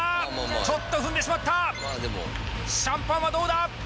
ちょっと踏んでしまったシャンパンはどうだ？